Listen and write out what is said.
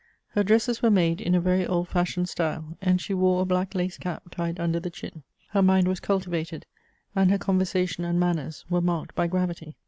Her dresses were made in a very old fashioned style, and she wore a hlack lace cap tied under the chin. Her mind was cultivated, and her conversation and manners were marked by gravity.